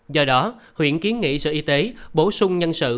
do đó huyện kiến nghị sở y tế bổ sung nhân sự